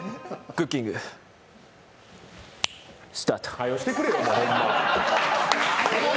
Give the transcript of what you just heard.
クッキング、スタート！はよしてくれ。